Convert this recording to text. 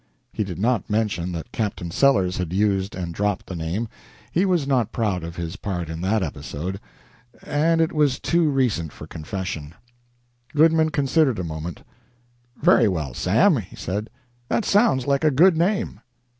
He did not mention that Captain Sellers had used and dropped the name. He was not proud of his part in that episode, and it was too recent for confession. Goodman considered a moment. "Very well, Sam," he said, "that sounds like a good name."